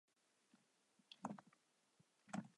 是大井町线最少上下车人次的车站。